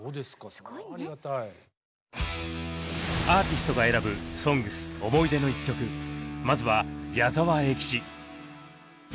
アーティストが選ぶ「ＳＯＮＧＳ」思い出の１曲まずは矢沢永吉。